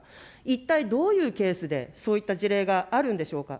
一体どういうケースで、そういった事例があるんでしょうか。